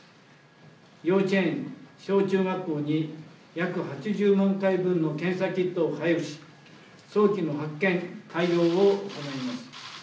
幼稚園、小中学校に約８０万回分の検査キットを配布し早期の発見を行います。